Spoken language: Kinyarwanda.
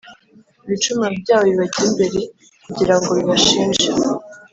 ibicumuro byabo bibajye imbere kugira ngo bibashinje.